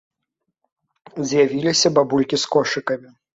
З'явіліся бабулькі з кошыкамі.